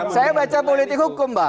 saya baca politik hukum mbak